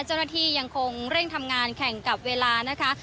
เจ้าหน้าที่ยังคงเร่งทำงานแข่งกับเวลานะคะ